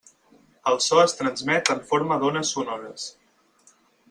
El so es transmet en forma d'ones sonores.